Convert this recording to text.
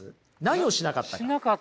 何をしなかったか。